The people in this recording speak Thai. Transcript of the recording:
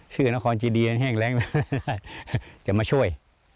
สื่อนครจิดีแห้งแร้งจะมาช่วย